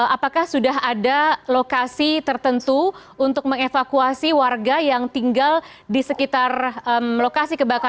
apakah sudah ada lokasi tertentu untuk mengevakuasi warga yang tinggal di sekitar lokasi kebakaran